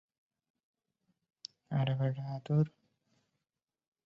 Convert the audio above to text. কিন্তু সেই কাজ এখনও শেষ হয়নি।